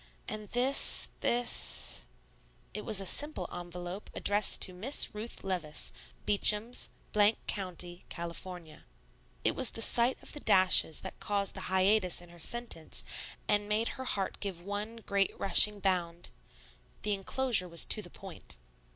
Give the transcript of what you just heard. And this this " It was a simple envelope addressed to Miss RUTH LEVICE Beacham's ... County Cal. It was the sight of the dashes that caused the hiatus in her sentence, and made her heart give one great rushing bound. The enclosure was to the point.